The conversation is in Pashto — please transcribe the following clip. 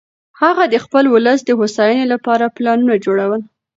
هغه د خپل ولس د هوساینې لپاره پلانونه جوړول.